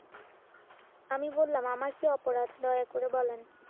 আমি বললাম, আমার কী অপরাধ দয়া করে বলেন।